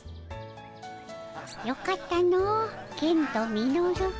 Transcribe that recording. よかったのケンとミノル。